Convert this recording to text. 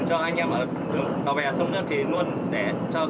để cho các anh em đòi về sông đường thủy là đảm bảo an toàn